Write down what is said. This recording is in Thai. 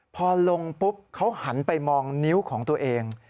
พอลงปุ๊บเขาหันไปมองนิ้วของตัวเอง